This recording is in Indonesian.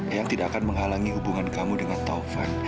yang tidak akan menghalangi hubungan kamu dengan taufan